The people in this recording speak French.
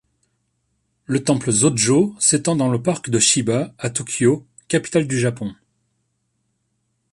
Le temple Zōjō s'étend dans le parc de Shiba, à Tokyo, capitale du Japon.